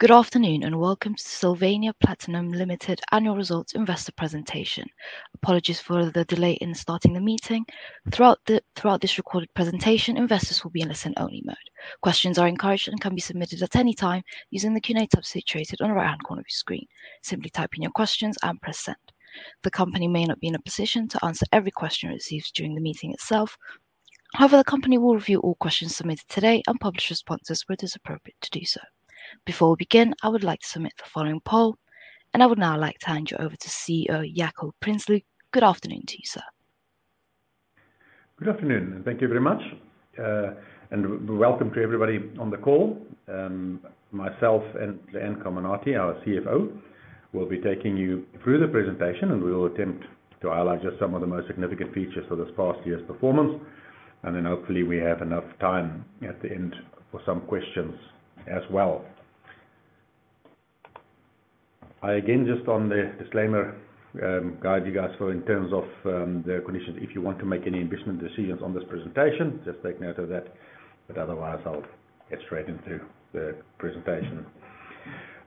Good afternoon, and welcome to Sylvania Platinum Limited Annual Results Investor Presentation. Apologies for the delay in starting the meeting. Throughout this recorded presentation, investors will be in listen-only mode. Questions are encouraged and can be submitted at any time using the Q&A tab situated on the right-hand corner of your screen. Simply type in your questions and press send. The company may not be in a position to answer every question it receives during the meeting itself. However, the company will review all questions submitted today and publish responses where it is appropriate to do so. Before we begin, I would like to submit the following poll, and I would now like to hand you over to CEO Jaco Prinsloo. Good afternoon to you, sir. Good afternoon, and thank you very much. Welcome to everybody on the call. Myself and Lewanne Carminati, our CFO, will be taking you through the presentation, and we will attempt to highlight just some of the most significant features for this past year's performance. Then hopefully we have enough time at the end for some questions as well. Again, just on the disclaimer, guide you guys for in terms of the conditions, if you want to make any investment decisions on this presentation, just take note of that. Otherwise, I'll get straight into the presentation.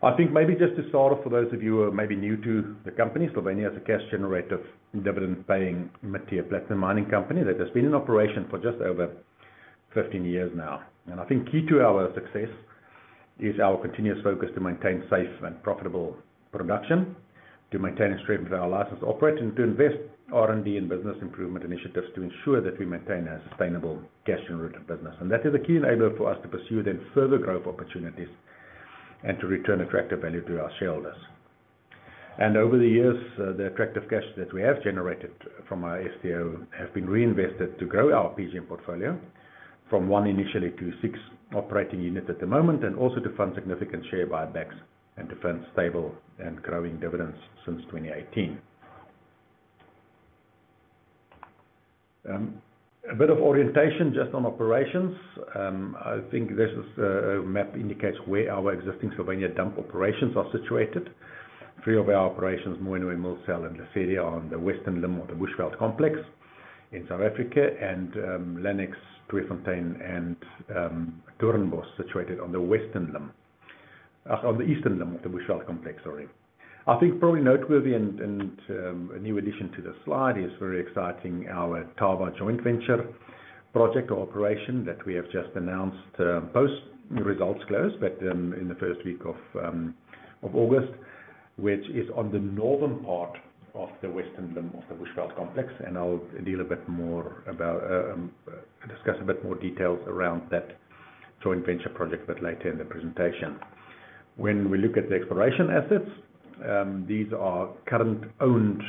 I think maybe just to start off, for those of you who are maybe new to the company, Sylvania is a cash generator, dividend-paying material platinum mining company that has been in operation for just over 15 years now. I think key to our success is our continuous focus to maintain safe and profitable production, to maintain strength of our license to operate, and to invest R&D in business improvement initiatives to ensure that we maintain a sustainable cash generative business. That is a key enabler for us to pursue then further growth opportunities and to return attractive value to our shareholders. Over the years, the attractive cash that we have generated from our SDO have been reinvested to grow our PGM portfolio from one initially to six operating units at the moment, and also to fund significant share buybacks and to fund stable and growing dividends since 2018. A bit of orientation just on operations. I think this map indicates where our existing Sylvania Dump Operations are situated. Three of our operations, Mooinooi, Millsell, and Lesedi are on the western limb of the Bushveld Complex in South Africa and Lannex, Tweefontein, and Doornbosch situated on the eastern limb of the Bushveld Complex. I think probably noteworthy and a new addition to this slide is very exciting, our Thaba joint venture project operation that we have just announced post-close, back in the first week of August, which is on the northern part of the western limb of the Bushveld Complex. I'll discuss a bit more details around that joint venture project a bit later in the presentation. When we look at the exploration assets, these are currently owned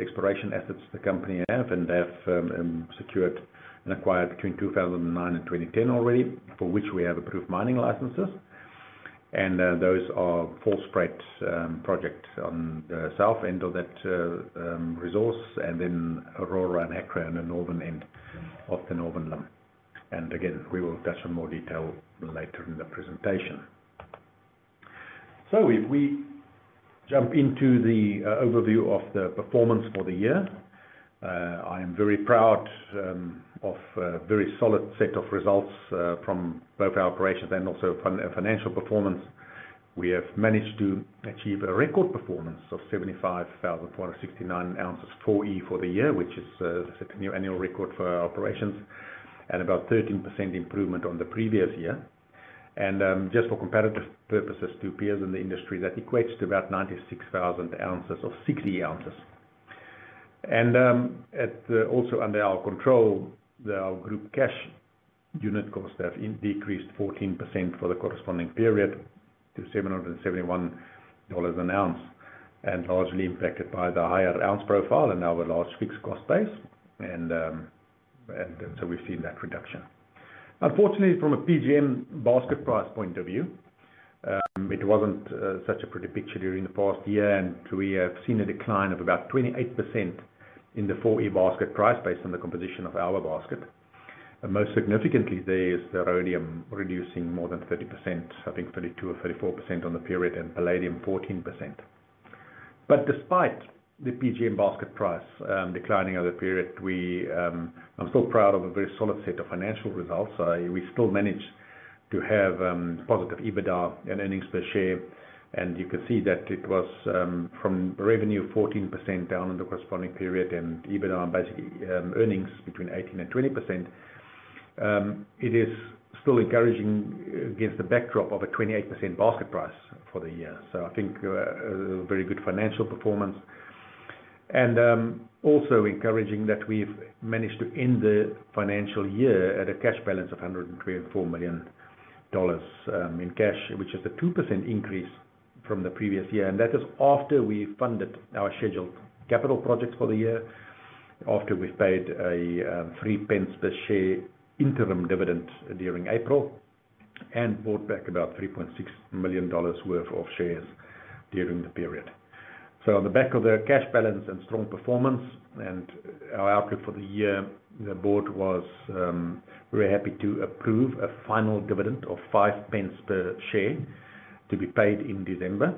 exploration assets the company have and have secured and acquired between 2009 and 2010 already, for which we have approved mining licenses. Those are Volspruit projects on the south end of that resource and then Aurora and Hacra on the northern end of the northern limb. Again, we will touch on more detail later in the presentation. If we jump into the overview of the performance for the year, I am very proud of a very solid set of results from both our operations and also from a financial performance. We have managed to achieve a record performance of 75,469 oz 4E for the year, which is a new annual record for our operations and about 13% improvement on the previous year. Just for comparative purposes to peers in the industry, that equates to about 96,000 oz of 6E oz. Also under our control, our group cash unit costs have decreased 14% for the corresponding period to $771 an oz, and largely impacted by the higher ounce profile and our large fixed cost base. We've seen that reduction. Unfortunately, from a PGM basket price point of view, it wasn't such a pretty picture during the past year, and we have seen a decline of about 28% in the 4E basket price based on the composition of our basket. Most significantly, there is the rhodium reducing more than 30%, I think 32 or 34% on the period, and palladium 14%. Despite the PGM basket price declining over the period, I'm still proud of a very solid set of financial results. We still managed to have positive EBITDA and earnings per share, and you can see that it was from revenue 14% down on the corresponding period and EBITDA and basically earnings between 18%-20%. It is still encouraging against the backdrop of a 28% basket price for the year. I think a very good financial performance. Also encouraging that we've managed to end the financial year at a cash balance of $124 million in cash, which is a 2% increase from the previous year. That is after we funded our scheduled capital projects for the year, after we paid a 0.03 per share interim dividend during April, and bought back about $3.6 million worth of shares during the period. On the back of the cash balance and strong performance and our outlook for the year, the board was very happy to approve a final dividend of 0.05 per share to be paid in December.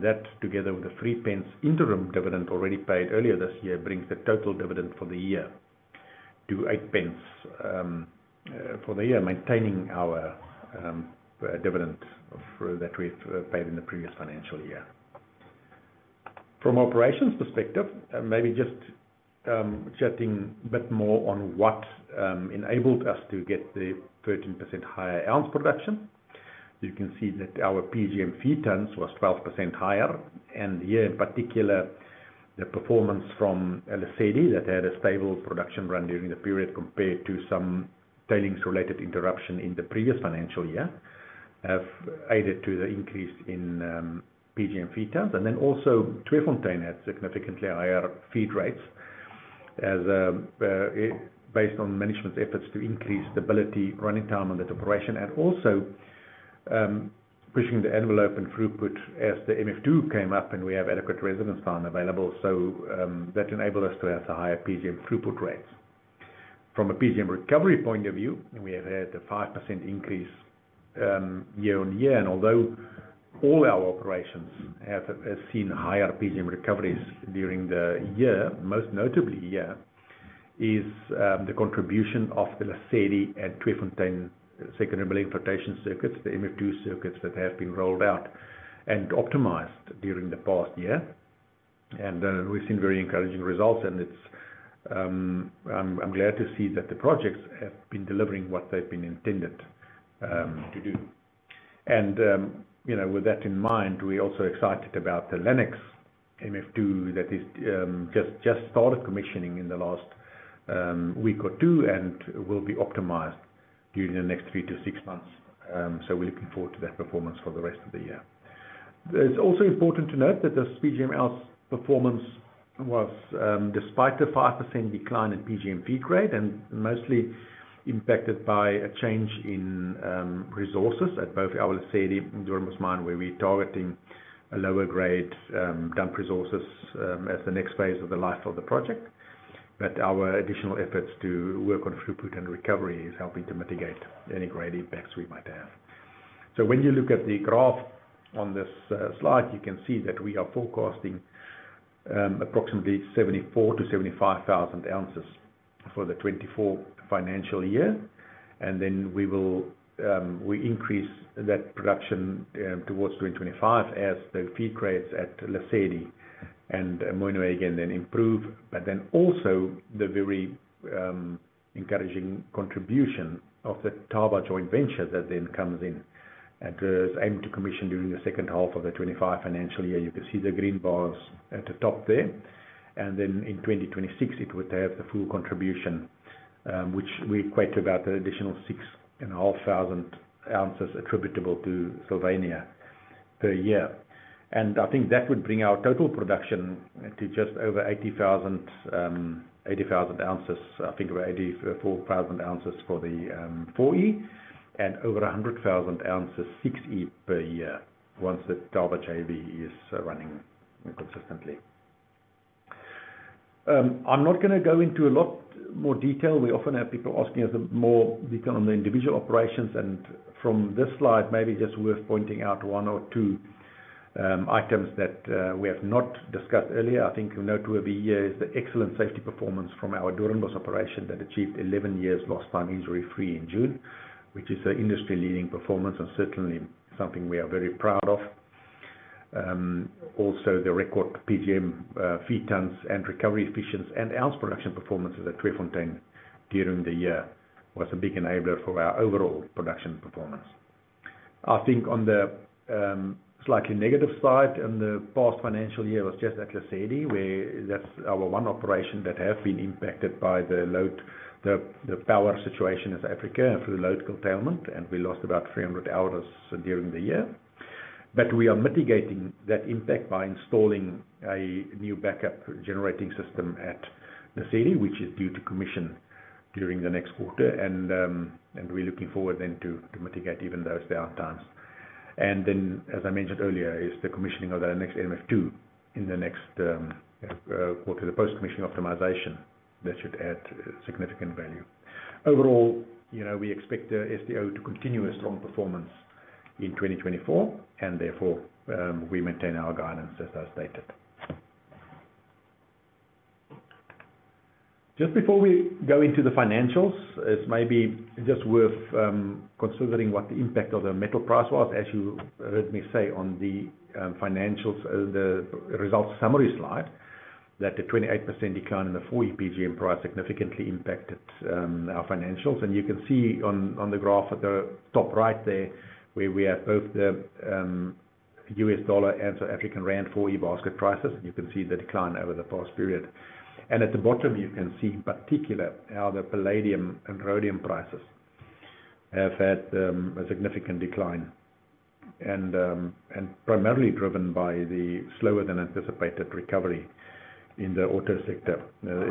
That, together with the 0.03 interim dividend already paid earlier this year, brings the total dividend for the year to 0.08 for the year, maintaining our dividend that we've paid in the previous financial year. From an operations perspective, maybe just chatting a bit more on what enabled us to get the 13% higher ounce production. You can see that our PGM feed tons was 12% higher, and here in particular, the performance from Lesedi that had a stable production run during the period compared to some tailings-related interruption in the previous financial year has aided to the increase in PGM feed tons. Tweefontein had significantly higher feed rates based on management's efforts to increase stability, running time on that operation and also pushing the envelope and throughput as the MF2 came up, and we have adequate residence time available, so that enabled us to have the higher PGM throughput rates. From a PGM recovery point of view, we have had a 5% increase year-on-year. Although all our operations have seen higher PGM recoveries during the year, most notably here is the contribution of the Lesedi and Tweefontein secondary flotation circuits, the MF2 circuits that have been rolled out and optimized during the past year. We've seen very encouraging results and I'm glad to see that the projects have been delivering what they've been intended to do. With that in mind, we're also excited about the Lannex MF2 that has just started commissioning in the last week or two and will be optimized during the next three to six months. We're looking forward to that performance for the rest of the year. It's also important to note that this PGM ounce performance was despite the 5% decline in PGM feed grade, and mostly impacted by a change in resources at both our Lesedi and Doornbosch mine, where we're targeting a lower grade dump resources as the next phase of the life of the project. Our additional efforts to work on throughput and recovery is helping to mitigate any grade impacts we might have. When you look at the graph on this slide, you can see that we are forecasting approximately 74,000-75,000 oz for the 2024 financial year. We increase that production towards 2025 as the feed grades at Lesedi and Mooinooi again, then improve. Then also the very encouraging contribution of the Thaba joint venture that then comes in. It is aimed to commission during the second half of the 2025 financial year. You can see the green bars at the top there, and then in 2026 it would have the full contribution, which we equate to about an additional 6,500 oz attributable to Sylvania per year. I think that would bring our total production to just over 80,000 oz. I figure 84,000 oz for the full year and over 100,000 6E oz per year once the Thaba JV is running consistently. I'm not going to go into a lot more detail. We often have people asking us more detail on the individual operations, and from this slide, maybe just worth pointing out one or two items that we have not discussed earlier. I think noteworthy here is the excellent safety performance from our Doornbosch operation that achieved 11 years lost time injury free in June, which is an industry-leading performance and certainly something we are very proud of. Also, the record PGM feed tons and recovery efficiency and ounce production performances at Tweefontein during the year was a big enabler for our overall production performance. I think on the slightly negative side in the past financial year was just at Lannex, where that's our one operation that has been impacted by the power situation in South Africa through load curtailment, and we lost about 300 hours during the year. We are mitigating that impact by installing a new backup generating system at Lesedi, which is due to commission during the next quarter. We're looking forward then to mitigate even those downtimes. As I mentioned earlier, is the commissioning of our next MF2 in the next quarter, the post-commissioning optimization that should add significant value. Overall, we expect the SDO to continue a strong performance in 2024 and therefore, we maintain our guidance as I stated. Just before we go into the financials, it's maybe just worth considering what the impact of the metal price was. As you heard me say on the results summary slide, that the 28% decline in the 4E PGM price significantly impacted our financials. You can see on the graph at the top right there, where we have both the US dollar and South African rand 4E basket prices, and you can see the decline over the past period. At the bottom you can see particularly how the palladium and rhodium prices have had a significant decline and primarily driven by the slower than anticipated recovery in the auto sector,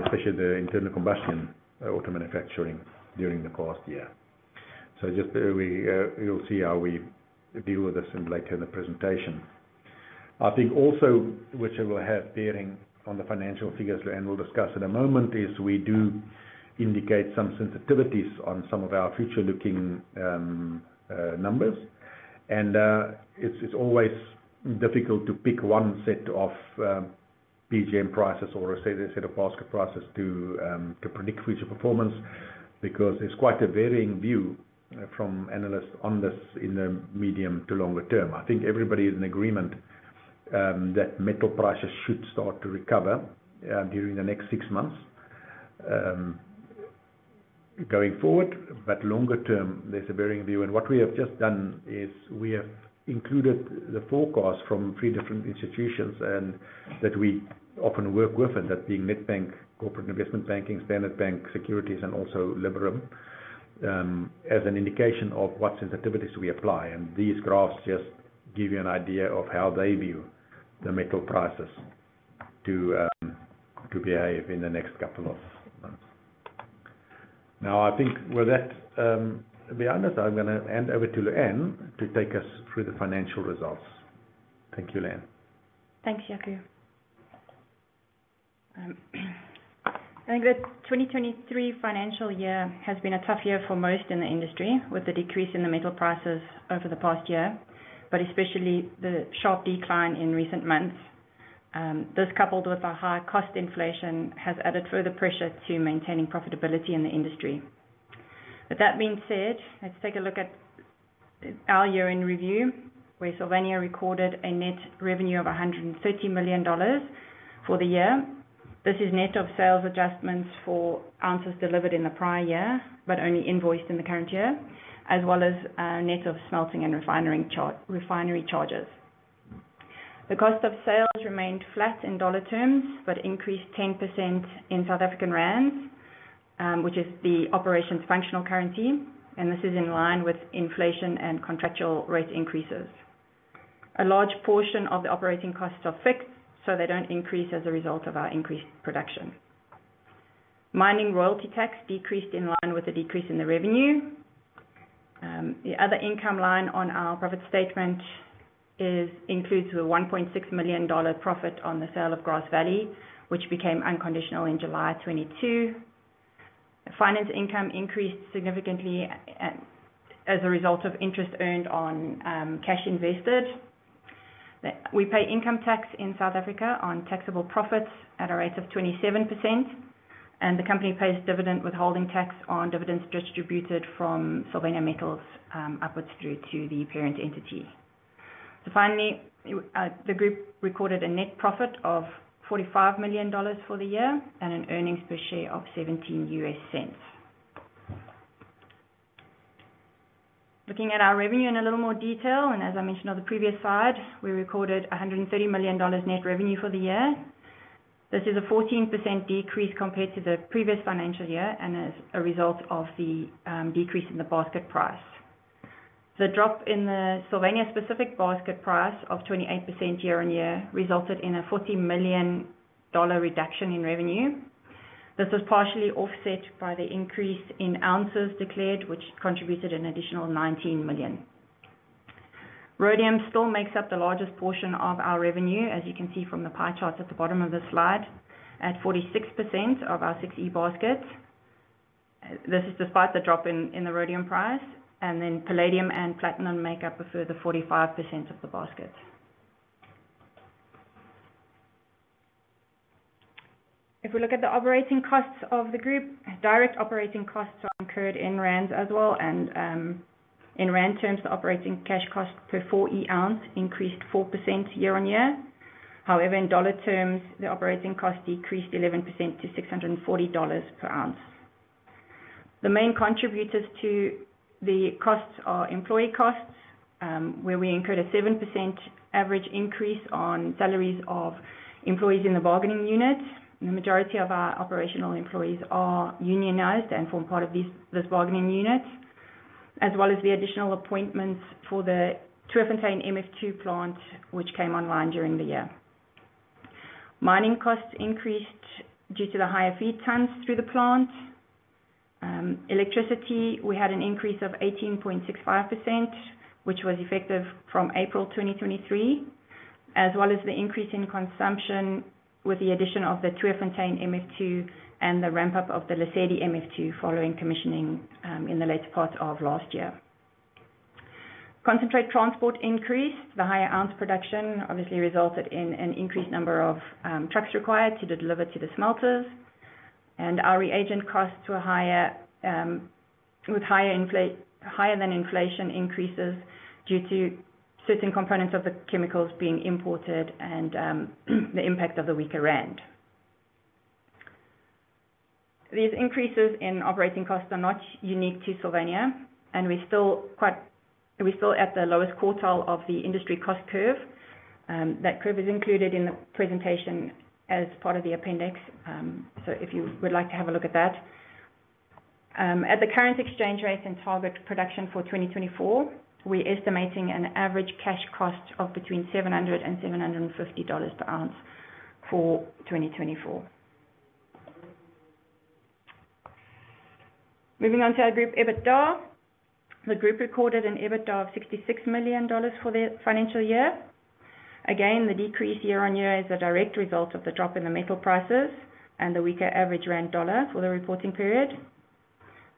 especially the internal combustion auto manufacturing during the past year. Just there you'll see how we deal with this later in the presentation. I think also, which it will have bearing on the financial figures, and we'll discuss in a moment, is we do indicate some sensitivities on some of our future-looking numbers. It's always difficult to pick one set of PGM prices or a set of basket prices to predict future performance, because it's quite a varying view from analysts on this in the medium to longer term. I think everybody is in agreement that metal prices should start to recover during the next six months, going forward. Longer term, there's a varying view. What we have just done is we have included the forecast from three different institutions that we often work with, and that being Nedbank Corporate and Investment Banking, Standard Bank Securities, and also Liberum, as an indication of what sensitivities we apply. These graphs just give you an idea of how they view the metal prices to behave in the next couple of months. Now, I think with that, to be honest, I'm going to hand over to Lewanne to take us through the financial results. Thank you, Lewanne. Thanks, Jaco. I think that 2023 financial year has been a tough year for most in the industry, with the decrease in the metal prices over the past year, but especially the sharp decline in recent months. This, coupled with the high cost inflation, has added further pressure to maintaining profitability in the industry. That being said, let's take a look at our year in review, where Sylvania recorded a net revenue of $130 million for the year. This is net of sales adjustments for ounces delivered in the prior year, but only invoiced in the current year, as well as net of smelting and refinery charges. The cost of sales remained flat in dollar terms, but increased 10% in South African rands, which is the operations functional currency, and this is in line with inflation and contractual rate increases. A large portion of the operating costs are fixed, so they don't increase as a result of our increased production. Mining royalty tax decreased in line with the decrease in the revenue. The other income line on our profit statement includes the $1.6 million profit on the sale of Grasvally, which became unconditional in July 2022. Finance income increased significantly as a result of interest earned on cash invested. We pay income tax in South Africa on taxable profits at a rate of 27%, and the company pays dividend withholding tax on dividends distributed from Sylvania Metals upwards through to the parent entity. Finally, the group recorded a net profit of $45 million for the year and an earnings per share of $0.17. Looking at our revenue in a little more detail, and as I mentioned on the previous slide, we recorded $130 million net revenue for the year. This is a 14% decrease compared to the previous financial year, and is a result of the decrease in the basket price. The drop in the Sylvania specific basket price of 28% year-on-year resulted in a $40 million reduction in revenue. This was partially offset by the increase in ounces declared, which contributed an additional $19 million. Rhodium still makes up the largest portion of our revenue, as you can see from the pie chart at the bottom of the slide, at 46% of our 6E baskets. This is despite the drop in the rhodium price. Palladium and platinum make up a further 45% of the basket. If we look at the operating costs of the group, direct operating costs are incurred in rands as well, and in rand terms, the operating cash cost per 4E ounce increased 4% year-on-year. However, in dollar terms, the operating cost decreased 11% to $640/oz. The main contributors to the costs are employee costs, where we incurred a 7% average increase on salaries of employees in the bargaining unit. The majority of our operational employees are unionized and form part of this bargaining unit, as well as the additional appointments for the Tweefontein MF2 plant, which came online during the year. Mining costs increased due to the higher feed tons through the plant. Electricity, we had an increase of 18.65%, which was effective from April 2023, as well as the increase in consumption with the addition of the Tweefontein MF2 and the ramp-up of the Lannex MF2 following commissioning in the later part of last year. Concentrate transport increased. The higher ounce production obviously resulted in an increased number of trucks required to deliver to the smelters, and our reagent costs were higher than inflation increases due to certain components of the chemicals being imported and the impact of the weaker rand. These increases in operating costs are not unique to Sylvania and we're still at the lowest quartile of the industry cost curve. That curve is included in the presentation as part of the appendix, so if you would like to have a look at that. At the current exchange rate and target production for 2024, we're estimating an average cash cost of between $700-$750/oz for 2024. Moving on to our group EBITDA. The group recorded an EBITDA of $66 million for the financial year. Again, the decrease year-on-year is a direct result of the drop in the metal prices and the weaker average rand/dollar for the reporting period.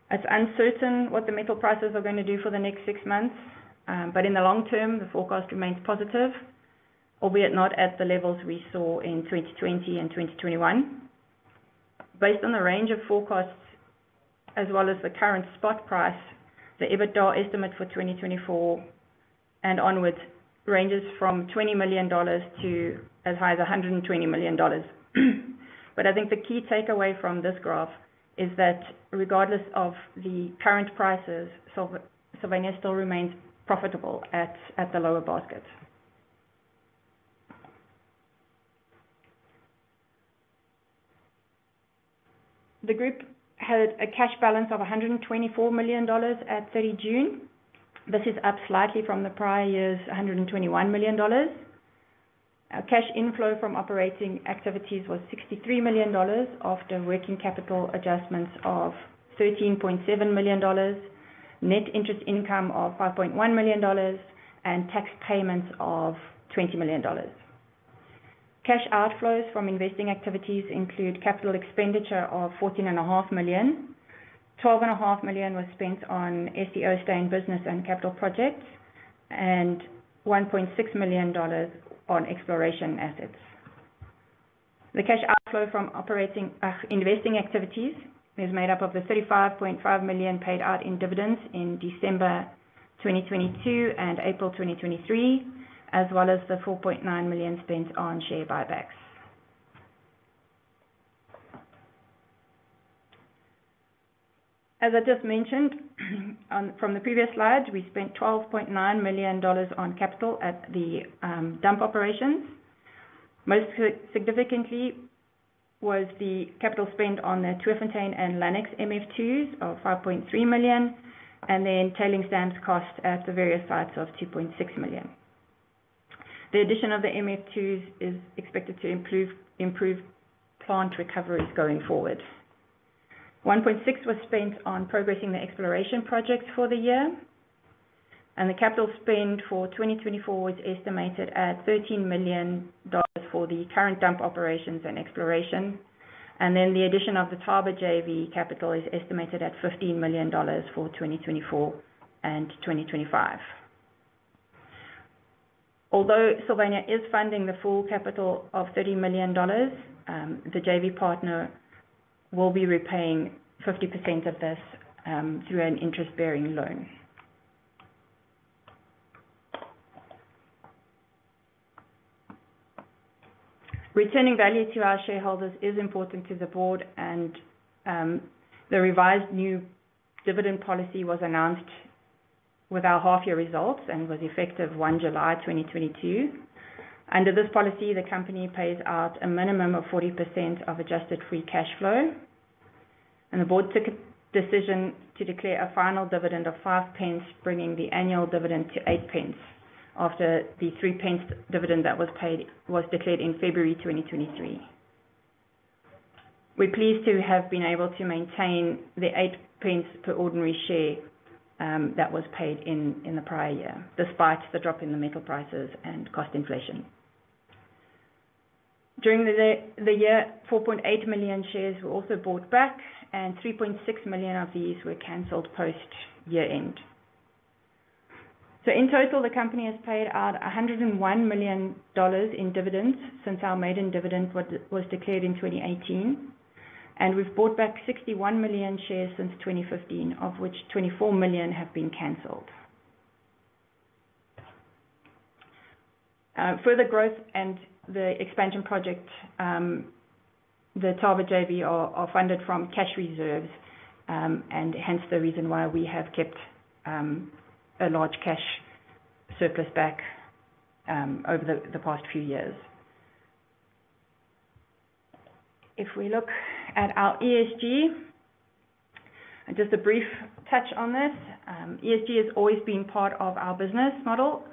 It's uncertain what the metal prices are going to do for the next six months, but in the long term, the forecast remains positive, albeit not at the levels we saw in 2020 and 2021. Based on the range of forecasts, as well as the current spot price, the EBITDA estimate for 2024 and onwards ranges from $20 million-$120 million. I think the key takeaway from this graph is that regardless of the current prices, Sylvania still remains profitable at the lower basket. The group had a cash balance of $124 million at 30 June. This is up slightly from the prior year's $121 million. Our cash inflow from operating activities was $63 million after working capital adjustments of $13.7 million, net interest income of $5.1 million, and tax payments of $20 million. Cash outflows from investing activities include capital expenditure of $14.5 million. $12.5 million was spent on SDO stay in business and capital projects, and $1.6 million on exploration assets. The cash outflow from investing activities is made up of the $35.5 million paid out in dividends in December 2022 and April 2023, as well as the $4.9 million spent on share buybacks. As I just mentioned from the previous slide, we spent $12.9 million on capital at the dump operations. Most significantly was the capital spend on the Tweefontein and Lannex MF2s of $5.3 million, and then tailings sands cost at the various sites of $2.6 million. The addition of the MF2s is expected to improve plant recoveries going forward. $1.6 million was spent on progressing the exploration projects for the year, and the capital spend for 2024 is estimated at $13 million for the current dump operations and exploration. The addition of the Thaba JV capital is estimated at $15 million for 2024 and 2025. Although Sylvania is funding the full capital of $30 million, the JV partner will be repaying 50% of this through an interest-bearing loan. Returning value to our shareholders is important to the board, and the revised new dividend policy was announced with our half year results and was effective 1 July 2022. Under this policy, the company pays out a minimum of 40% of adjusted free cash flow. The board took a decision to declare a final dividend of 0.05, bringing the annual dividend to 0.08 after the 0.03 dividend that was declared in February 2023. We're pleased to have been able to maintain the 0.08 per ordinary share that was paid in the prior year, despite the drop in the metal prices and cost inflation. During the year, 4.8 million shares were also bought back and 3.6 million of these were canceled post year-end. In total, the company has paid out $101 million in dividends since our maiden dividend was declared in 2018, and we've bought back 61 million shares since 2015, of which 24 million have been canceled. Further growth and the expansion project, the Thaba JV are funded from cash reserves, and hence the reason why we have kept a large cash surplus back over the past few years. If we look at our ESG, and just a brief touch on this, ESG has always been part of our business model,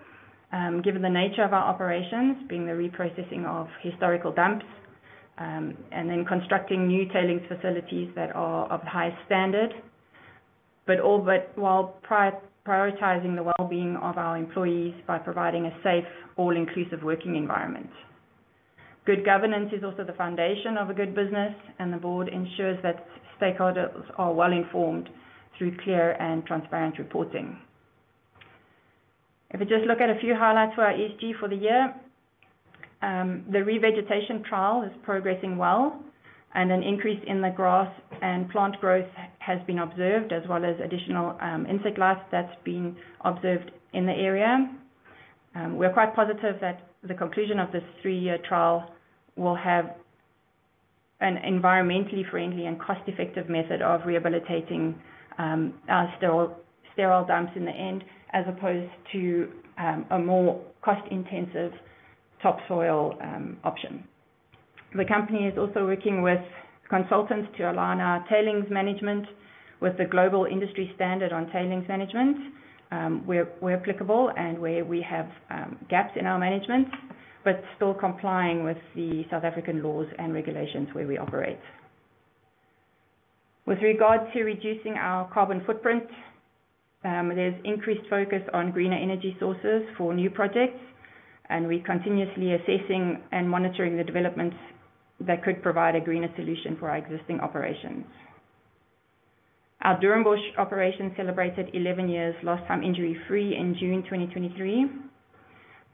given the nature of our operations being the reprocessing of historical dumps, and then constructing new tailings facilities that are of high standard. But above all, while prioritizing the well-being of our employees by providing a safe, all-inclusive working environment. Good governance is also the foundation of a good business, and the board ensures that stakeholders are well-informed through clear and transparent reporting. If we just look at a few highlights for our ESG for the year, the revegetation trial is progressing well, and an increase in the grass and plant growth has been observed as well as additional insect life that's been observed in the area. We're quite positive that the conclusion of this three-year trial will have an environmentally friendly and cost-effective method of rehabilitating our sterile dumps in the end, as opposed to a more cost-intensive topsoil option. The company is also working with consultants to align our tailings management with the global industry standard on tailings management, where applicable and where we have gaps in our management, but still complying with the South African laws and regulations where we operate. With regard to reducing our carbon footprint, there's increased focus on greener energy sources for new projects, and we're continuously assessing and monitoring the developments that could provide a greener solution for our existing operations. Our Doornbosch operation celebrated 11 years lost time injury-free in June 2023.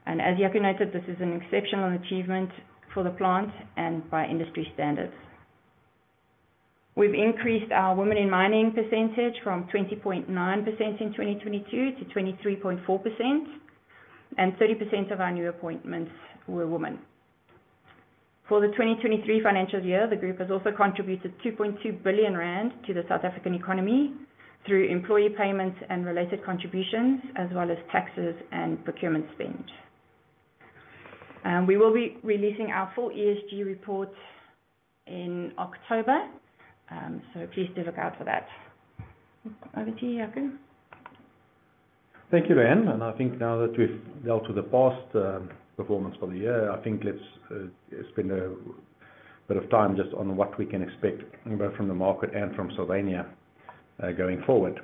As Jaco noted, this is an exceptional achievement for the plant and by industry standards. We've increased our women in mining percentage from 20.9% in 2022 to 23.4%, and 30% of our new appointments were women. For the 2023 financial year, the group has also contributed 2.2 billion rand to the South African economy through employee payments and related contributions, as well as taxes and procurement spend. We will be releasing our full ESG report in October. Please do look out for that. Over to you, Jaco. Thank you, Lewanne. I think now that we've dealt with the past performance for the year, I think let's spend a bit of time just on what we can expect, both from the market and from Sylvania going forward.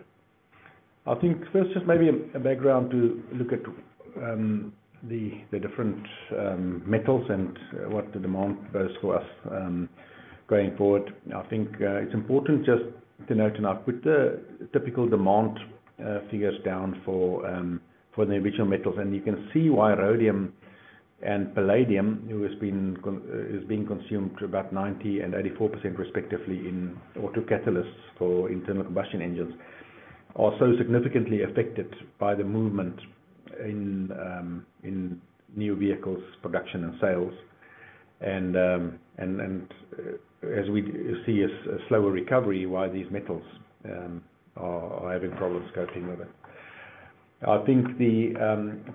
I think first just maybe a background to look at the different metals and what the demand bodes for us going forward. I think it's important just to note, and I've put the typical demand figures down for the PGM metals, and you can see why rhodium and palladium, who is being consumed to about 90% and 84% respectively in autocatalysts for internal combustion engines, are so significantly affected by the movement in new vehicles production and sales, as we see a slower recovery, why these metals are having problems coping with it. I think the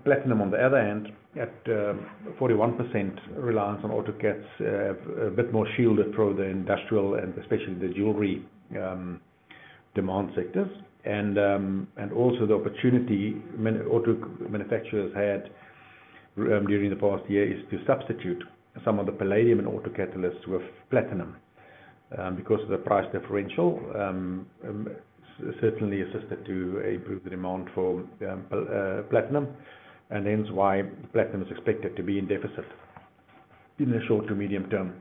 platinum, on the other hand, at 41% reliance on autocatalysts, a bit more shielded through the industrial and especially the jewelry demand sectors. Also the opportunity auto manufacturers had during the past year is to substitute some of the palladium and autocatalysts with platinum, because of the price differential, certainly assisted to a demand for platinum, and hence why platinum is expected to be in deficit in the short to medium term.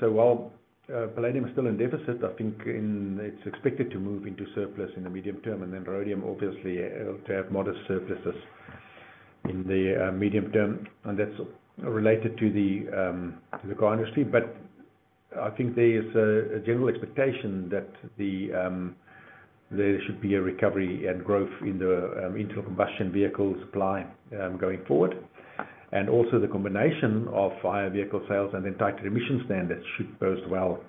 While palladium is still in deficit, I think it's expected to move into surplus in the medium term, and then rhodium obviously to have modest surpluses in the medium term. That's related to the car industry. I think there is a general expectation that there should be a recovery and growth in the internal combustion vehicle supply going forward. Also the combination of higher vehicle sales and tighter emission standards should bode well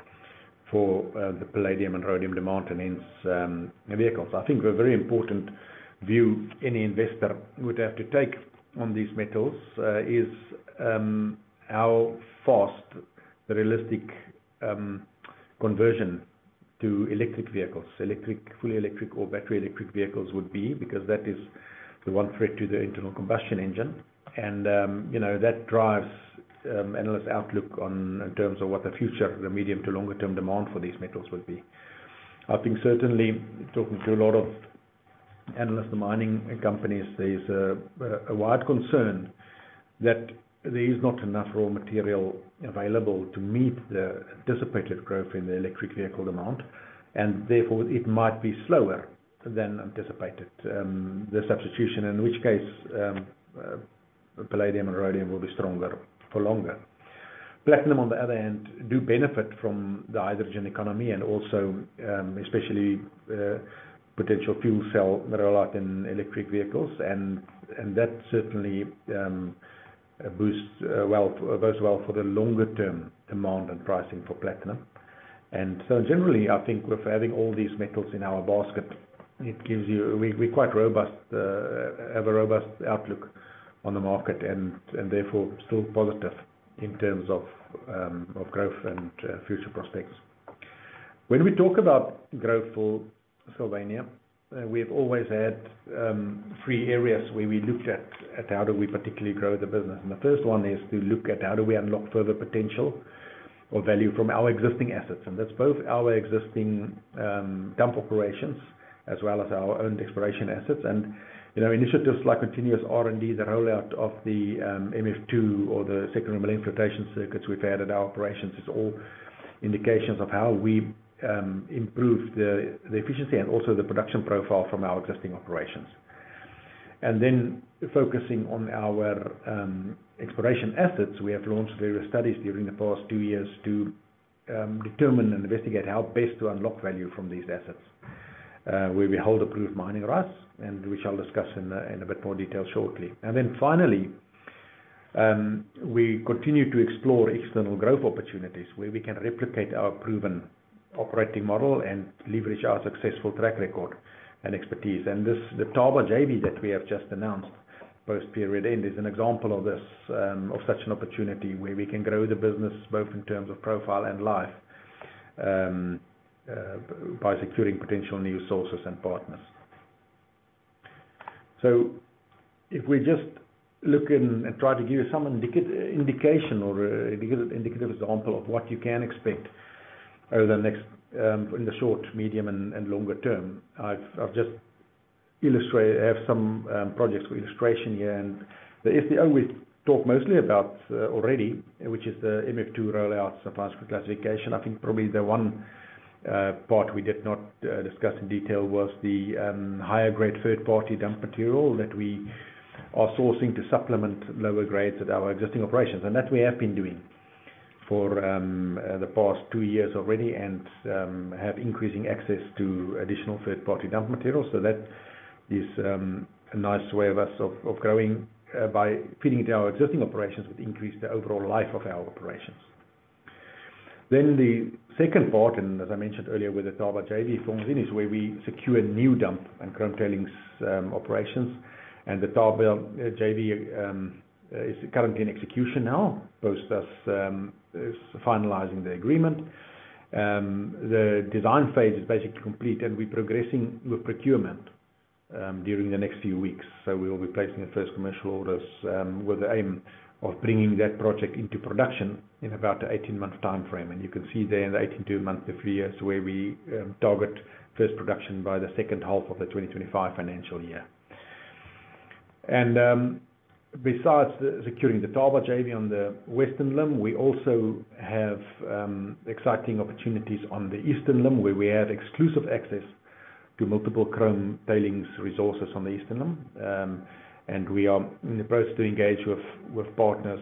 for the palladium and rhodium demand and in vehicles. I think a very important view any investor would have to take on these metals is how fast the realistic conversion to electric vehicles, fully electric or battery electric vehicles would be, because that is the one threat to the internal combustion engine. That drives analysts' outlook in terms of what the future, the medium to longer term demand for these metals would be. I think certainly talking to a lot of analysts and mining companies, there's a wide concern that there is not enough raw material available to meet the anticipated growth in the electric vehicle demand, and therefore it might be slower than anticipated, the substitution, in which case, palladium and rhodium will be stronger for longer. Platinum, on the other hand, do benefit from the hydrogen economy and also especially potential fuel cell rollout in electric vehicles, and that certainly bodes well for the longer-term demand and pricing for platinum. Generally, I think with having all these metals in our basket, we have a robust outlook on the market and therefore still positive in terms of growth and future prospects. When we talk about growth for Sylvania, we've always had three areas where we looked at how do we particularly grow the business. The first one is to look at how do we unlock further potential or value from our existing assets. That's both our existing dump operations as well as our own exploration assets. Initiatives like continuous R&D, the rollout of the MF2 or the secondary mill flotation circuits we've had at our operations is all indications of how we improve the efficiency and also the production profile from our existing operations. Focusing on our exploration assets, we have launched various studies during the past two years to determine and investigate how best to unlock value from these assets where we hold approved mining rights, and which I'll discuss in a bit more detail shortly. Finally, we continue to explore external growth opportunities where we can replicate our proven operating model and leverage our successful track record and expertise. The Thaba JV that we have just announced post period end is an example of such an opportunity where we can grow the business both in terms of profile and life by securing potential new sources and partners. If we just look and try to give you some indication or indicative example of what you can expect in the short, medium, and longer term. I've just illustrated, I have some projects for illustration here, and the SDO we've talked mostly about already, which is the MF2 rollouts and feed for classification. I think probably the one part we did not discuss in detail was the higher grade third-party dump material that we are sourcing to supplement lower grades at our existing operations. That we have been doing for the past two years already and have increasing access to additional third-party dump materials. That is a nice way of us growing by feeding into our existing operations, would increase the overall life of our operations. The second part, as I mentioned earlier with the Thaba JV comes in, is where we secure new dump and chrome tailings operations. The Thaba JV is currently in execution now, both of us is finalizing the agreement. The design phase is basically complete, and we're progressing with procurement during the next few weeks. We'll be placing the first commercial orders with the aim of bringing that project into production in about an 18-month timeframe. You can see there in the 18-24 months, the three years, where we target first production by the second half of the 2025 financial year. Besides securing the Thaba JV on the Western Limb, we also have exciting opportunities on the Eastern Limb, where we have exclusive access to multiple chrome tailings resources on the Eastern Limb. We are in approach to engage with partners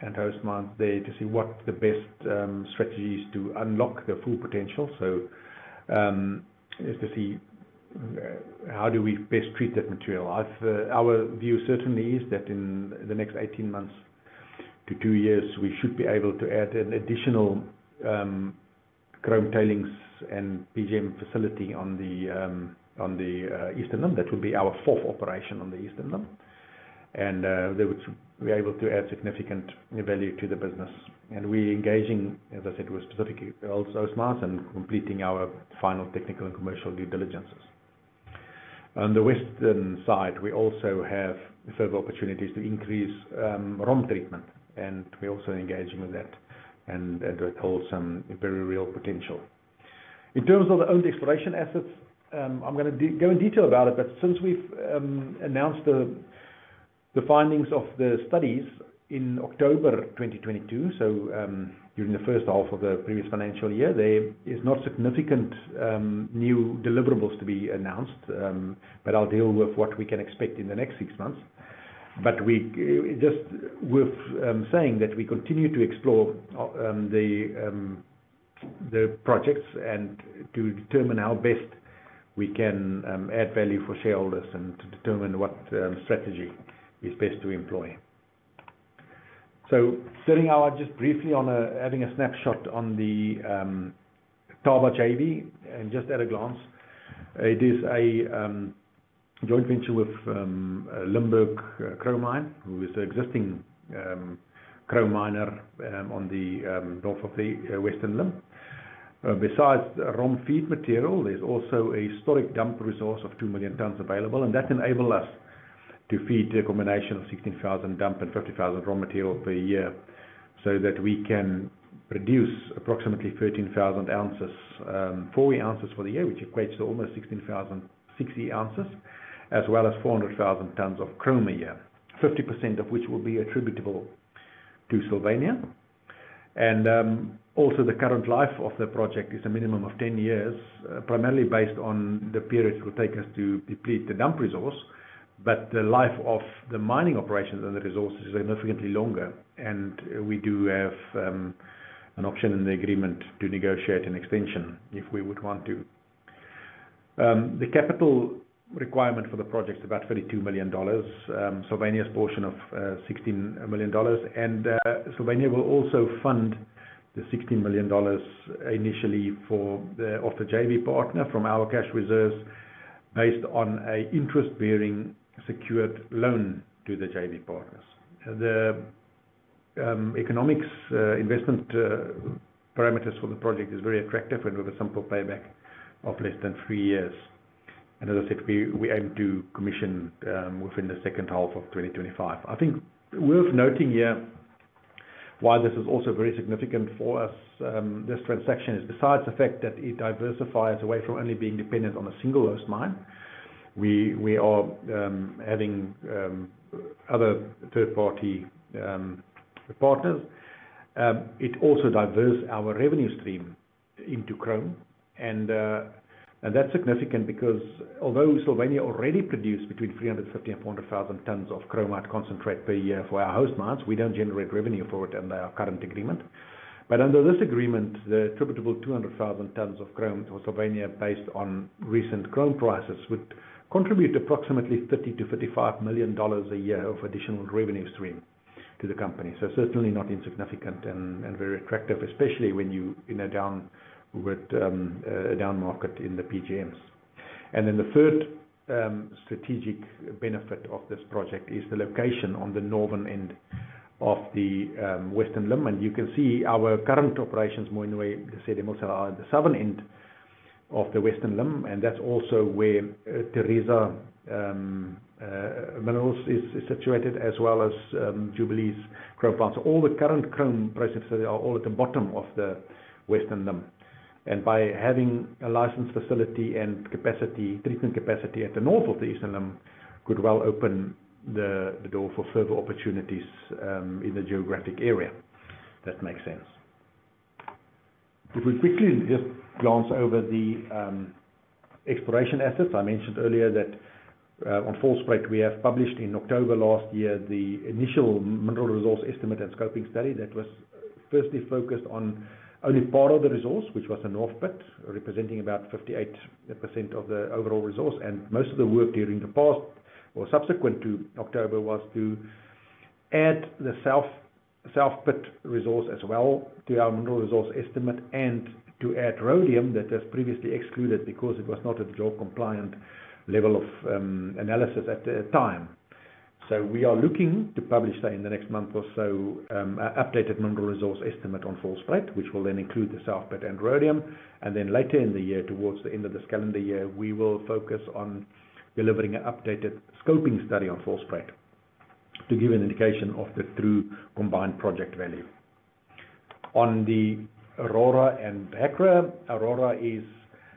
and host mines there to see what the best strategy is to unlock the full potential. It is to see how do we best treat that material. Our view certainly is that in the next 18 months to two years, we should be able to add an additional chrome tailings and PGM facility on the Eastern Limb. That will be our fourth operation on the Eastern Limb that we are able to add significant value to the business. We are engaging, as I said, with specifically also host mines and completing our final technical and commercial due diligence. On the western side, we also have further opportunities to increase ROM treatment, and we're also engaging with that and that holds some very real potential. In terms of the owned exploration assets, I'm going to go in detail about it, but since we've announced the findings of the studies in October 2022, so during the first half of the previous financial year, there is not significant new deliverables to be announced. I'll deal with what we can expect in the next six months. Just worth saying that we continue to explore the projects and to determine how best we can add value for shareholders and to determine what strategy is best to employ. Setting out just briefly on adding a snapshot on the Thaba JV and just at a glance. It is a joint venture with Limberg Mining Company, who is an existing chrome miner on the north of the western limb. Besides ROM feed material, there's also a historic dump resource of 2 million tons available, and that enable us to feed a combination of 16,000 dump and 50,000 ROM per year, so that we can produce approximately 13,000 4E oz for the year, which equates to almost 16,000 6E oz, as well as 400,000 tons of chrome a year. 50% of which will be attributable to Sylvania. Also the current life of the project is a minimum of 10 years, primarily based on the period it will take us to deplete the dump resource, but the life of the mining operations and the resource is significantly longer. We do have an option in the agreement to negotiate an extension if we would want to. The capital requirement for the project is about $32 million. Sylvania's portion of $16 million, and Sylvania will also fund the $16 million initially of the JV partner from our cash reserves based on an interest-bearing secured loan to the JV partners. The economics investment parameters for the project is very attractive and with a simple payback of less than three years. As I said, we aim to commission within the second half of 2025. I think worth noting here why this is also very significant for us, this transaction, is besides the fact that it diversifies away from only being dependent on a single host mine. We are adding other third-party partners. It also diversifies our revenue stream into chrome and that's significant because although Sylvania already produced between 350,000 and 400,000 tons of chromite concentrate per year for our host mines, we don't generate revenue for it under our current agreement. Under this agreement, the attributable 200,000 tons of chrome to Sylvania based on recent chrome prices would contribute approximately $30-$35 million a year of additional revenue stream to the company. Certainly not insignificant and very attractive, especially when you're in a down market in the PGMs. The third strategic benefit of this project is the location on the northern end of the Western Limb. You can see our current operations, Mooinooi and Millsell, are on the southern end of the Western Limb, and that's also where Tharisa Minerals is situated, as well as Jubilee's chrome plants. All the current chrome processes are all at the bottom of the Western Limb. By having a licensed facility and treatment capacity at the north of the Eastern Limb, could well open the door for further opportunities in the geographic area. If that makes sense. If we quickly just glance over the exploration assets, I mentioned earlier that on Grasvally, we have published in October last year the initial mineral resource estimate and scoping study that was firstly focused on only part of the resource, which was the North Pit, representing about 58% of the overall resource. Most of the work during the past or subsequent to October was to add the South Pit resource as well to our mineral resource estimate and to add rhodium that was previously excluded because it was not a JORC compliant level of analysis at the time. We are looking to publish that in the next month or so, updated mineral resource estimate on False Bay, which will then include the South Pit and rhodium, and then later in the year, towards the end of this calendar year, we will focus on delivering an updated scoping study on False Bay to give an indication of the true combined project value. On the Aurora and Hacra. Aurora is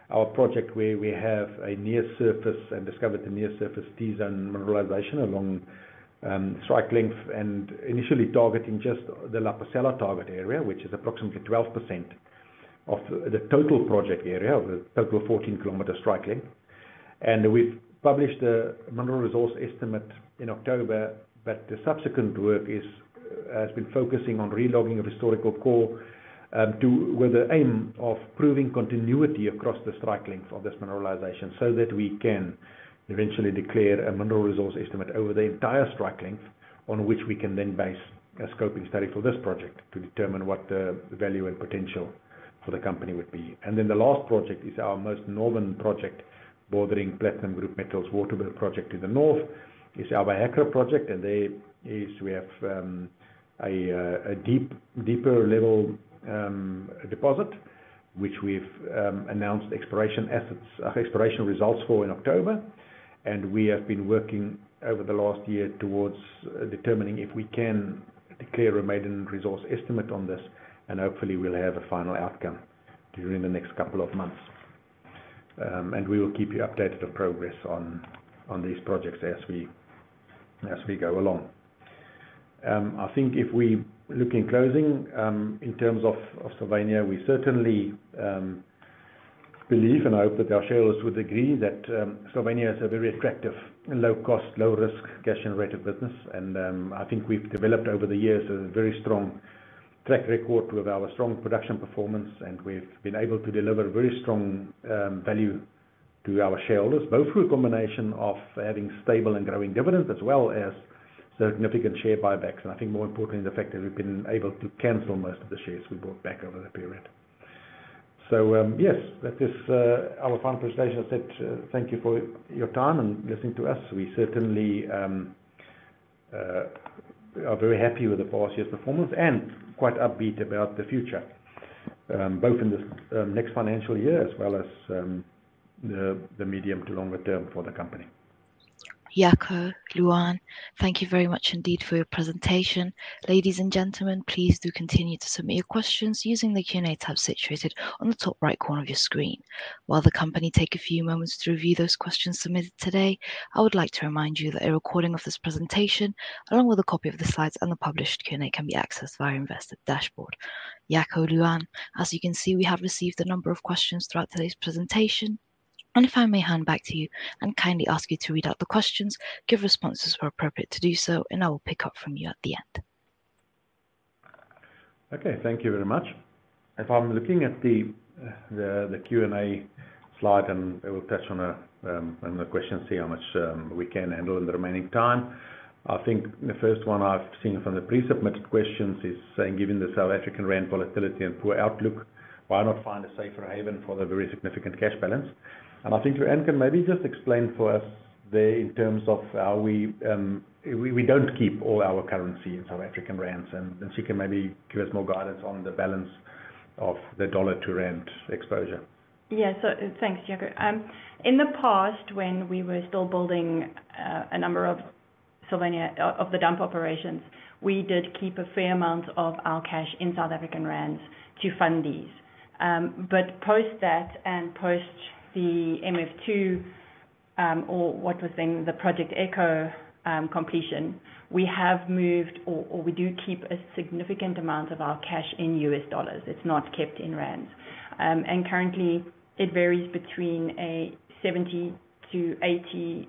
our project where we have a near surface and discovered the near surface T-zone mineralization along strike length and initially targeting just the La Pucella target area, which is approximately 12% of the total project area, of the total 14-kilometer strike length. We've published the mineral resource estimate in October, but the subsequent work has been focusing on relogging of historical core with the aim of proving continuity across the strike length of this mineralization, so that we can eventually declare a mineral resource estimate over the entire strike length on which we can then base a scoping study for this project to determine what the value add potential for the company would be. Then the last project is our most northern project, bordering Platinum Group Metals Waterberg project in the north, is our Hacra project. There we have a deeper level deposit, which we've announced exploration results for in October. We have been working over the last year towards determining if we can declare a maiden resource estimate on this, and hopefully we'll have a final outcome during the next couple of months. We will keep you updated of progress on these projects as we go along. I think if we look in closing, in terms of Sylvania, we certainly believe, and I hope that our shareholders would agree, that Sylvania is a very attractive low-cost, low-risk cash-generative business. I think we've developed over the years a very strong track record with our strong production performance, and we've been able to deliver very strong value to our shareholders, both through a combination of having stable and growing dividends as well as significant share buybacks. I think more importantly, the fact that we've been able to cancel most of the shares we bought back over the period. Yes. That is our final presentation. I said, thank you for your time and listening to us. We certainly are very happy with the past year's performance and quite upbeat about the future, both in this next financial year as well as the medium to longer term for the company. Jaco, Lewanne, thank you very much indeed for your presentation. Ladies and gentlemen, please do continue to submit your questions using the Q&A tab situated on the top right corner of your screen. While the company take a few moments to review those questions submitted today, I would like to remind you that a recording of this presentation, along with a copy of the slides and the published Q&A, can be accessed via investor dashboard. Jaco, Lewanne, as you can see, we have received a number of questions throughout today's presentation, and if I may hand back to you and kindly ask you to read out the questions, give responses where appropriate to do so, and I will pick up from you at the end. Okay. Thank you very much. If I'm looking at the Q&A slide, and I will touch on the questions, see how much we can handle in the remaining time. I think the first one I've seen from the pre-submitted questions is saying, "Given the South African rand volatility and poor outlook, why not find a safer haven for the very significant cash balance?" And I think Lewanne can maybe just explain for us there in terms of how we don't keep all our currency in South African rands, and she can maybe give us more guidance on the balance of the dollar to rand exposure. Yeah. Thanks, Jaco. In the past, when we were still building a number of Sylvania, of the dump operations, we did keep a fair amount of our cash in South African rand to fund these. Post that and post the MF2, or what was then the Project Echo completion, we have moved or we do keep a significant amount of our cash in US dollars. It's not kept in rand. Currently, it varies between a 70%-80%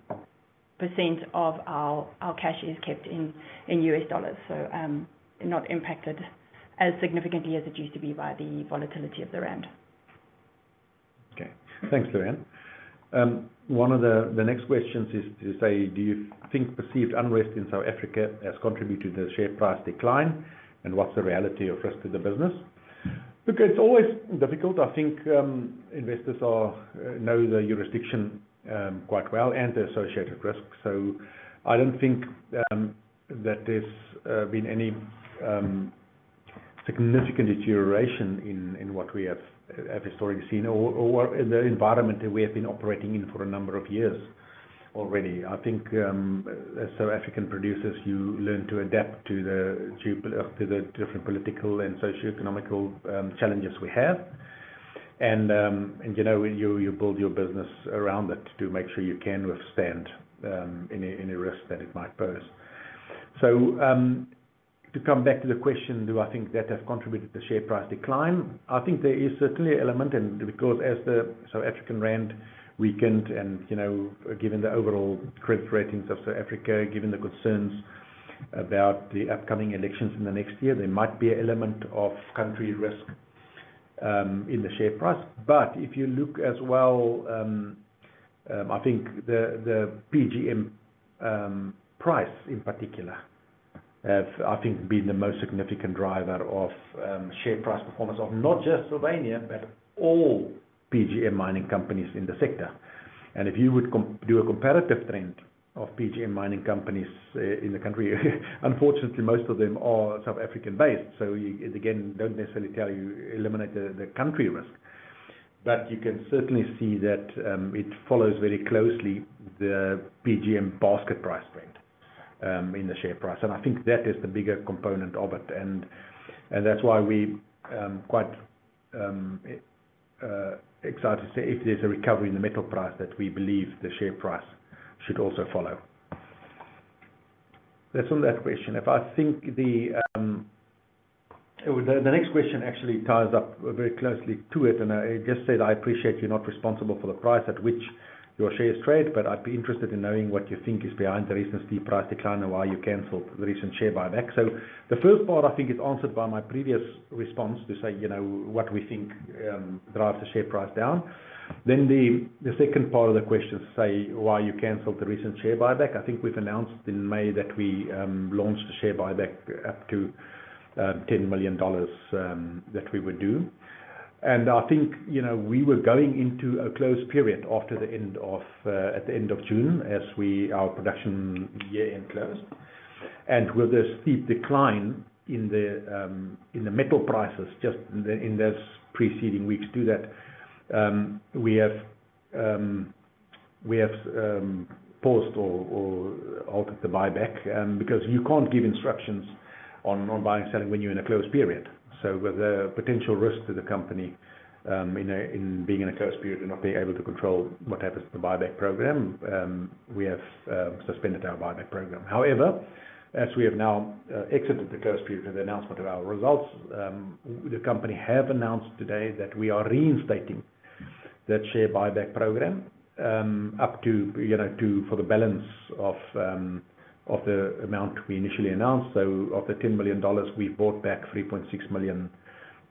of our cash is kept in US dollars. Not impacted as significantly as it used to be by the volatility of the rand. Okay. Thanks, Lewanne. One of the next questions is to say, "Do you think perceived unrest in South Africa has contributed to the share price decline? And what's the reality of risk to the business?" Look, it's always difficult. I think investors know the jurisdiction quite well and the associated risks. I don't think that there's been any significant deterioration in what we have historically seen or the environment that we have been operating in for a number of years already. I think as South African producers, you learn to adapt to the different political and socioeconomic challenges we have, and you build your business around it to make sure you can withstand any risk that it might pose. To come back to the question, do I think that has contributed to the share price decline? I think there is certainly an element, and because as the South African rand weakened and given the overall credit ratings of South Africa, given the concerns about the upcoming elections in the next year, there might be an element of country risk in the share price. If you look as well, I think the PGM price in particular have, I think, been the most significant driver of share price performance of not just Sylvania, but all PGM mining companies in the sector. If you would do a comparative trend of PGM mining companies in the country, unfortunately, most of them are South African-based, so it again, don't necessarily eliminate the country risk. You can certainly see that it follows very closely the PGM basket price trend in the share price. I think that is the bigger component of it. That's why we're quite excited to say if there's a recovery in the metal price, that we believe the share price should also follow. That's on that question. The next question actually ties up very closely to it, and it just said, "I appreciate you're not responsible for the price at which your shares trade, but I'd be interested in knowing what you think is behind the recent steep price decline and why you canceled the recent share buyback." The first part, I think, is answered by my previous response to say, what we think drives the share price down. The second part of the question say, why you canceled the recent share buyback. I think we've announced in May that we launched a share buyback up to $10 million that we would do. I think we were going into a close period at the end of June as our production year-end closed. With the steep decline in the metal prices just in those preceding weeks to that, we have paused or halted the buyback because you can't give instructions on buying and selling when you're in a closed period. With the potential risk to the company in being in a closed period and not being able to control what happens to the buyback program, we have suspended our buyback program. However, as we have now exited the closed period with the announcement of our results, the company have announced today that we are reinstating that share buyback program up to for the balance of the amount we initially announced. Of the $10 million, we bought back $3.6 million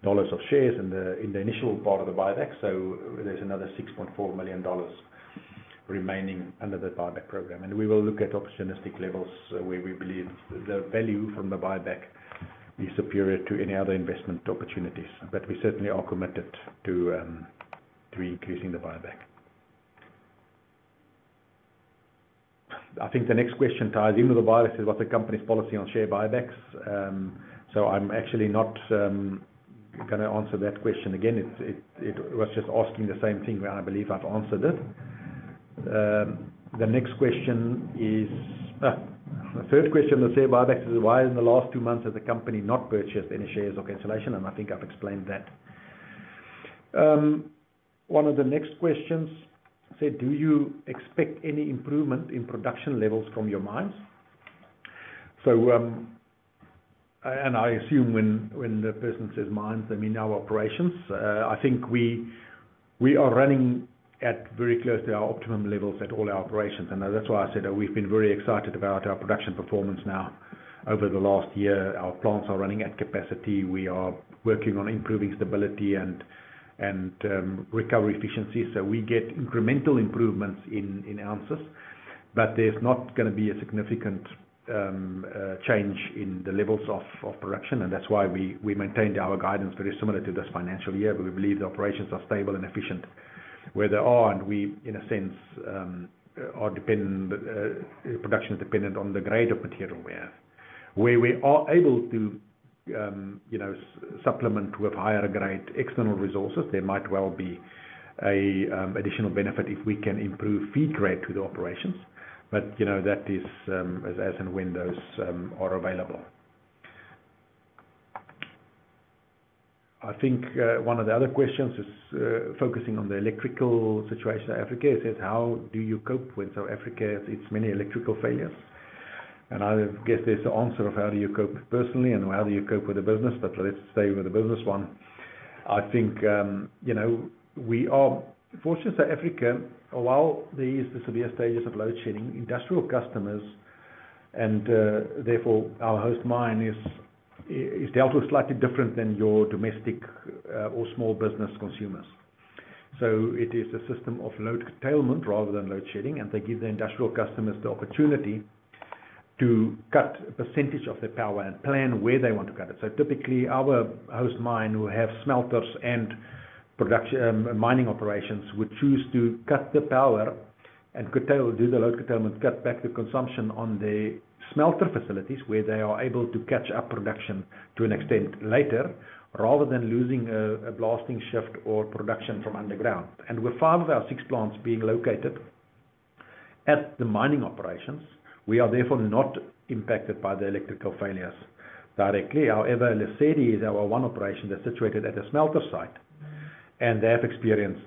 of shares in the initial part of the buyback. There's another $6.4 million remaining under that buyback program. We will look at opportunistic levels where we believe the value from the buyback is superior to any other investment opportunities. We certainly are committed to increasing the buyback. I think the next question ties into the buyback. It says, "What's the company's policy on share buybacks?" I'm actually not going to answer that question again. It was just asking the same thing, and I believe I've answered it. The third question on share buyback says, "Why in the last two months has the company not purchased any shares of cancellation?" I think I've explained that. One of the next questions said, "Do you expect any improvement in production levels from your mines?" I assume when the person says mines, they mean our operations. I think we are running at very close to our optimum levels at all our operations. That's why I said that we've been very excited about our production performance now over the last year. Our plants are running at capacity. We are working on improving stability and recovery efficiency. We get incremental improvements in ounces, but there's not going to be a significant change in the levels of production, and that's why we maintained our guidance very similar to this financial year. We believe the operations are stable and efficient where they are, and we, in a sense, are production dependent on the grade of material we have. Where we are able to supplement with higher grade external resources, there might well be an additional benefit if we can improve feed grade to the operations. That is as and when those are available. I think one of the other questions is focusing on the electrical situation in South Africa. It says, "How do you cope with South Africa's, its many electrical failures?" I guess there's the answer of how do you cope personally and how do you cope with the business, but let's stay with the business one. I think, fortunately, South Africa, while there is the severe stages of load shedding, industrial customers and therefore our host mine is dealt with slightly different than your domestic or small business consumers. It is a system of load curtailment rather than load shedding, and they give the industrial customers the opportunity to cut a percentage of their power and plan where they want to cut it. Typically, our host mine will have smelters and mining operations, would choose to cut the power. These load curtailments cut back the consumption on the smelter facilities where they are able to catch up production to an extent later rather than losing a blasting shift or production from underground. With five of our six plants being located at the mining operations, we are therefore not impacted by the electrical failures directly. However, Lesedi is our one operation that's situated at a smelter site, and they have experienced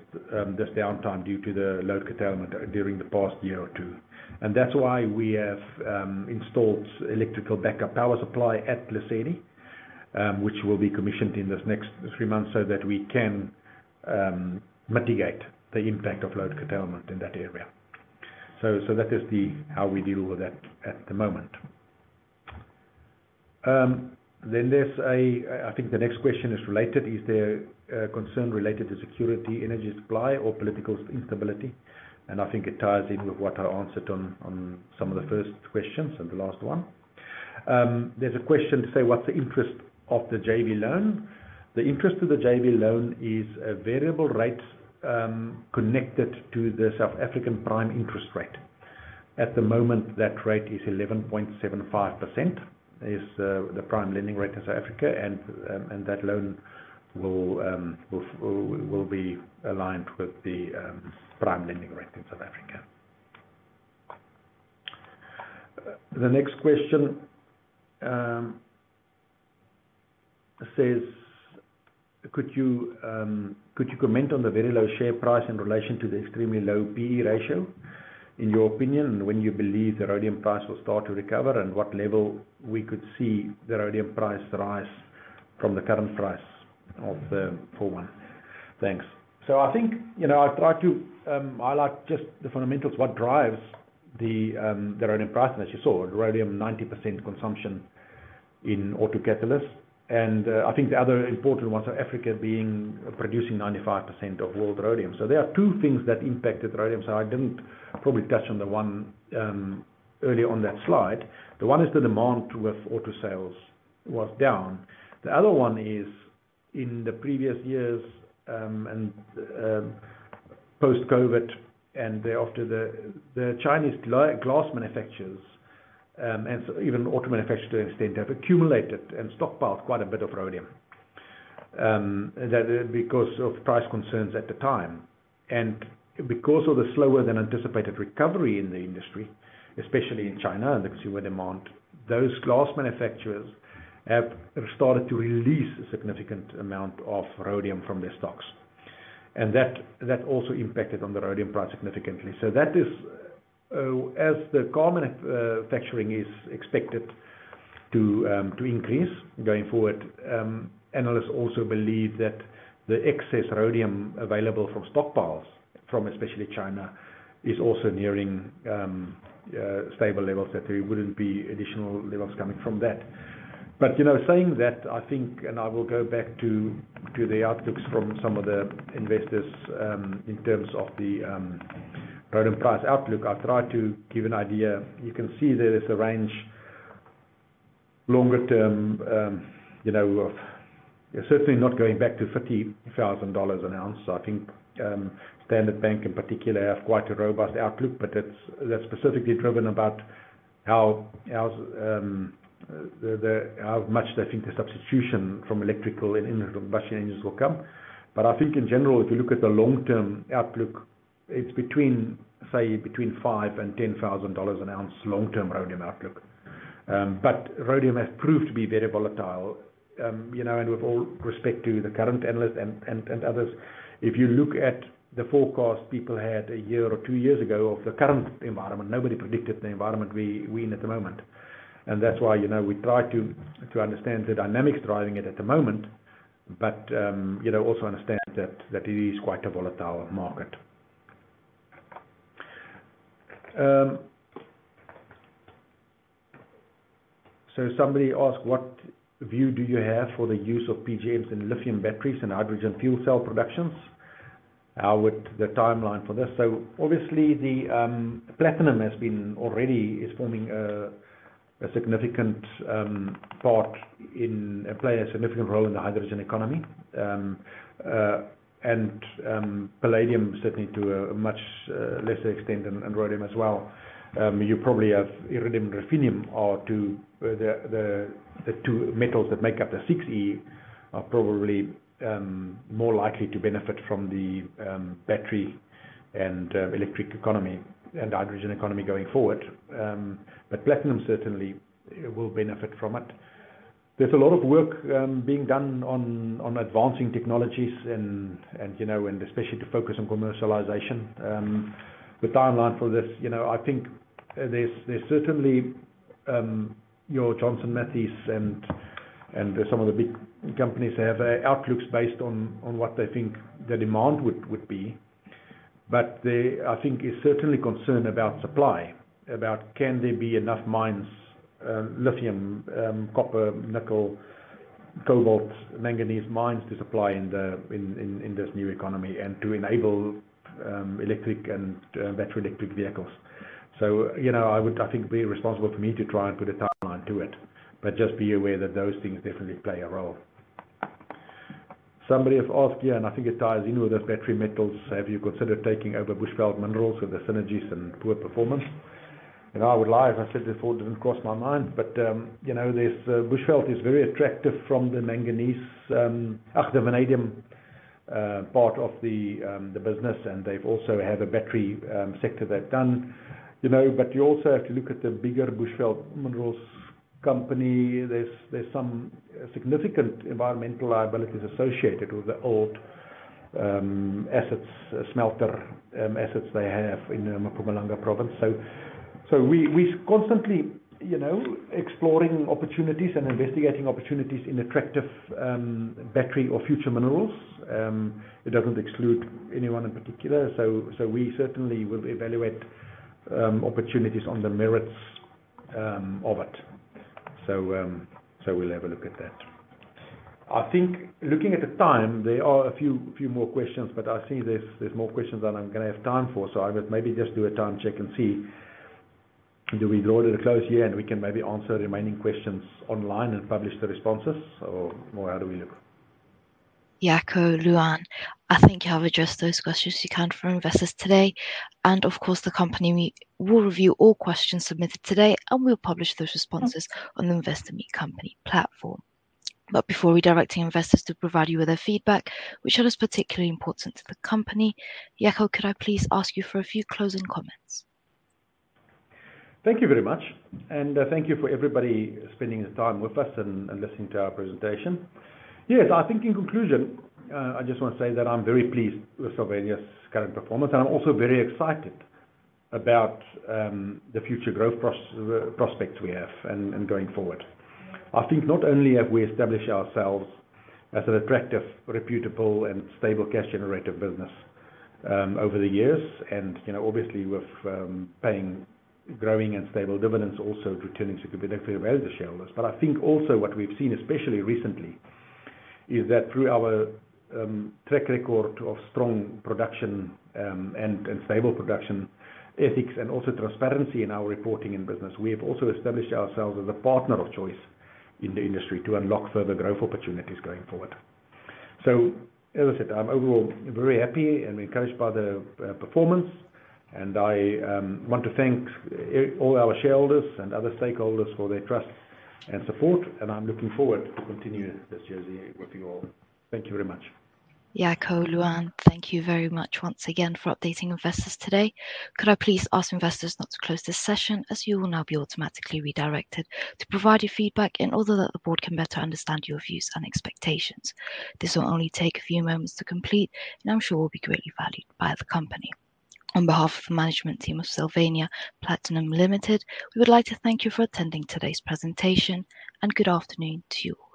this downtime due to the load curtailment during the past year or two. That's why we have installed electrical backup power supply at Lesedi, which will be commissioned in this next three months so that we can mitigate the impact of load curtailment in that area. That is how we deal with that at the moment. I think the next question is related. Is there a concern related to security, energy supply or political instability? I think it ties in with what I answered on some of the first questions and the last one. There's a question to say, what's the interest of the JV loan? The interest of the JV loan is a variable rate connected to the South African prime interest rate. At the moment, that rate is 11.75%, the prime lending rate in South Africa. That loan will be aligned with the prime lending rate in South Africa. The next question says, could you comment on the very low share price in relation to the extremely low P/E ratio? In your opinion, when you believe the rhodium price will start to recover and what level we could see the rhodium price rise from the current price of $4,000. Thanks. I think, I try to highlight just the fundamentals, what drives the rhodium price. As you saw, rhodium 90% consumption in autocatalyst. I think the other important ones are Africa producing 95% of world rhodium. There are two things that impacted rhodium. I didn't probably touch on the one early on that slide. The one is the demand with auto sales was down. The other one is in the previous years, and post-COVID, and after, the Chinese glass manufacturers, and even auto manufacturers to an extent, have accumulated and stockpiled quite a bit of rhodium because of price concerns at the time. Because of the slower than anticipated recovery in the industry, especially in China and the consumer demand, those glass manufacturers have started to release a significant amount of rhodium from their stocks. That also impacted on the rhodium price significantly. As the car manufacturing is expected to increase going forward, analysts also believe that the excess rhodium available from stockpiles from especially China is also nearing stable levels, that there wouldn't be additional levels coming from that. Saying that, I think, and I will go back to the outlooks from some of the investors, in terms of the rhodium price outlook. I'll try to give an idea. You can see there is a range longer term, certainly not going back to $50,000 an ounce. I think Standard Bank in particular have quite a robust outlook, but that's specifically driven about how much they think the substitution from electric and internal combustion engines will come. I think in general, if you look at the long-term outlook, it's between, say, $5,000-$10,000 an ounce long-term rhodium outlook. Rhodium has proved to be very volatile. With all respect to the current analysts and others, if you look at the forecast people had a year or two years ago of the current environment, nobody predicted the environment we're in at the moment. That's why we try to understand the dynamics driving it at the moment. Also understand that it is quite a volatile market. Somebody asked, what view do you have for the use of PGMs in lithium batteries and hydrogen fuel cell productions? How would the timeline for this, so obviously the platinum already is forming a significant part, play a significant role in the hydrogen economy. Palladium certainly to a much lesser extent and rhodium as well. You probably have iridium and ruthenium are the two metals that make up the 6E, are probably more likely to benefit from the battery and electric economy and hydrogen economy going forward. Platinum certainly will benefit from it. There's a lot of work being done on advancing technologies and especially to focus on commercialization. The timeline for this, I think there's certainly your Johnson Matthey and some of the big companies have outlooks based on what they think the demand would be. I think there is certainly concern about supply, about can there be enough mines, lithium, copper, nickel, cobalt, manganese mines to supply in this new economy and to enable electric and battery electric vehicles. I think it'd be irresponsible for me to try and put a timeline to it, but just be aware that those things definitely play a role. Somebody has asked here, and I think it ties in with those battery metals. Have you considered taking over Bushveld Minerals with the synergies and poor performance? I would lie if I said the thought didn't cross my mind, but Bushveld is very attractive from the manganese, the vanadium part of the business, and they've also have a battery sector they've done. You also have to look at the bigger Bushveld Minerals company. There's some significant environmental liabilities associated with the old assets, smelter assets they have in Mpumalanga Province. We're constantly exploring opportunities and investigating opportunities in attractive battery or future minerals. It doesn't exclude anyone in particular. We certainly will evaluate opportunities on the merits of it. We'll have a look at that. I think looking at the time, there are a few more questions, but I see there's more questions than I'm going to have time for. I must maybe just do a time check and see. Do we go to the close here and we can maybe answer remaining questions online and publish the responses or how do we look? Yeah, Jaco and Lewanne. I think you have addressed those questions you can for investors today. Of course, the company will review all questions submitted today, and we'll publish those responses on the Investor Meet Company platform. Before we direct investors to provide you with their feedback, which is particularly important to the company, Jaco, could I please ask you for a few closing comments? Thank you very much, and thank you for everybody spending the time with us and listening to our presentation. Yes, I think in conclusion, I just want to say that I'm very pleased with Sylvania's current performance, and I'm also very excited about the future growth prospects we have and going forward. I think not only have we established ourselves as an attractive, reputable, and stable cash generator business over the years, and obviously with paying growing and stable dividends also returning significantly to shareholders. I think also what we've seen, especially recently, is that through our track record of strong production and stable production ethics and also transparency in our reporting in business, we have also established ourselves as a partner of choice in the industry to unlock further growth opportunities going forward. As I said, I'm overall very happy and encouraged by the performance, and I want to thank all our shareholders and other stakeholders for their trust and support, and I'm looking forward to continue this journey with you all. Thank you very much. Yeah, Jaco and Lewanne, thank you very much once again for updating investors today. Could I please ask investors not to close this session, as you will now be automatically redirected to provide your feedback and all that the board can better understand your views and expectations. This will only take a few moments to complete, and I'm sure will be greatly valued by the company. On behalf of the management team of Sylvania Platinum Limited, we would like to thank you for attending today's presentation, and good afternoon to you all.